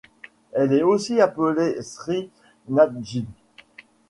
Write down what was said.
Elle est aussi appelée Sri Nathji.